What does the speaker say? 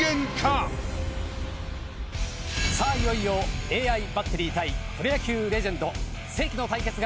いよいよＡＩバッテリー対プロ野球レジェンド。